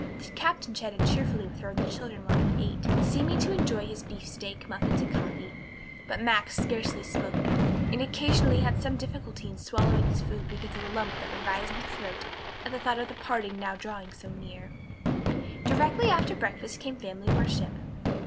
The captain chatted cheerfully with her and the children while he ate, seeming to enjoy his beefsteak, muffins and coffee; but Max scarcely spoke, and occasionally had some difficulty in swallowing his food because of the lump that would rise in his throat at the thought of the parting now drawing so near. Directly after breakfast came family worship.